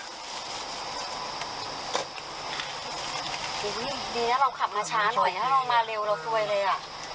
โอ้โหดีนะเราขับมาช้าหน่อยถ้าเรามาเร็วเราซวยเลยอ่ะ